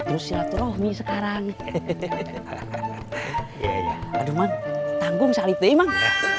terus silaturahmi sekarang hehehe aduman tanggung salit memang